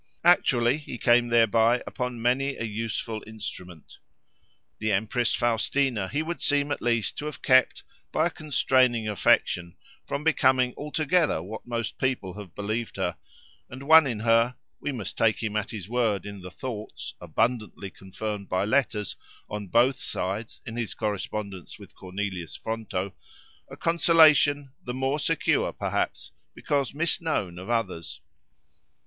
Actually, he came thereby upon many a useful instrument. The empress Faustina he would seem at least to have kept, by a constraining affection, from becoming altogether what most people have believed her, and won in her (we must take him at his word in the "Thoughts," abundantly confirmed by letters, on both sides, in his correspondence with Cornelius Fronto) a consolation, the more secure, perhaps, because misknown of others.